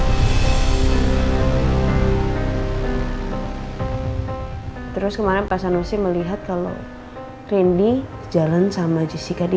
tolong terus kemarin pas anu sih melihat kalau rindy jalan sama jessica di